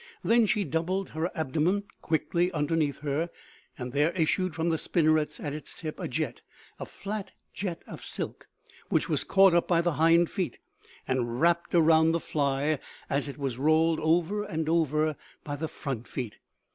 Then she doubled her abdomen quickly underneath her and there issued from the spinnerets at its tip a jet, a flat jet of silk, which was caught up by the hind feet and wrapped around the fly as it was rolled over and over by the front feet.